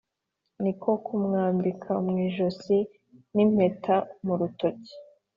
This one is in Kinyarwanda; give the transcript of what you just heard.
niko kumwambika mu ijosi n’impeta mu rutoki